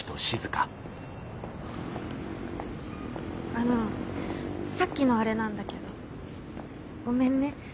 あのさっきのあれなんだけどごめんね。